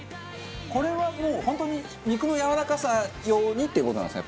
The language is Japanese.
これはもう本当に肉のやわらかさ用にっていう事なんですか？